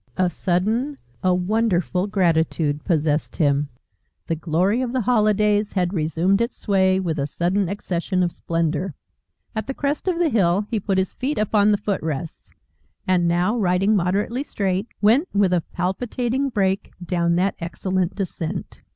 A sudden, a wonderful gratitude, possessed him. The Glory of the Holidays had resumed its sway with a sudden accession of splendour. At the crest of the hill he put his feet upon the footrests, and now riding moderately straight, went, with a palpitating brake, down that excellent descent.